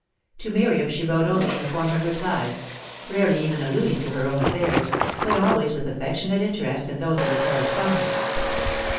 To Miriam she wrote only in the form of replies, rarely even alluding to her own affairs, but always with affectionate interest in those of her correspondent.